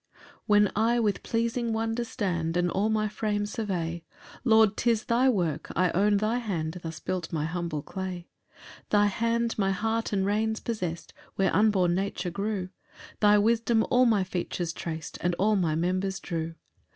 1 When I with pleasing wonder stand, And all my frame survey, Lord, 'tis thy work; I own thy hand Thus built my humble clay. 2 Thy hand my heart and reins possest Where unborn nature grew, Thy wisdom all my features trac'd, And all my members drew.